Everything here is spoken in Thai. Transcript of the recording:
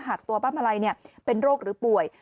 หากตัวป้ามาลัยเป็นโรคหรือป่วย